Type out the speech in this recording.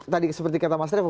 tadi seperti kata mas revo